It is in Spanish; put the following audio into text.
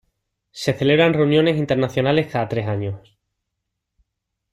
Se celebran reuniones internacionales cada tres años.